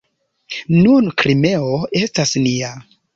Nun Krimeo estas nia.